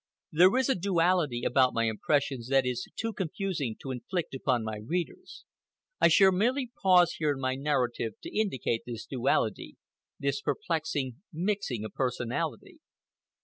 There is a duality about my impressions that is too confusing to inflict upon my readers. I shall merely pause here in my narrative to indicate this duality, this perplexing mixing of personality.